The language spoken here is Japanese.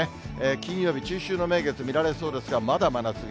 金曜日、中秋の名月、見られそうですが、まだ真夏日。